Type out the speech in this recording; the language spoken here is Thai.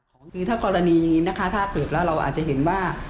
ของคือถ้ากรณีอย่างนี้นะคะถ้าเปิดแล้วเราอาจจะเห็นว่า